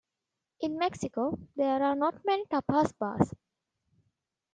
In Mexico, there are not many tapas bars.